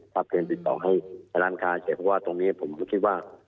ตัดเพลงติดต่อให้ร้านค้าเฉพาะว่าตรงนี้ผมคิดว่า